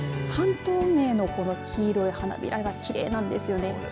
半透明の黄色い花びらがきれいなんですよね。